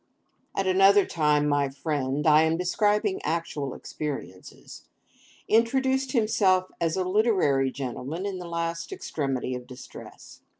At another time my friend (I am describing actual experiences) introduced himself as a literary gentleman in the last extremity of distress.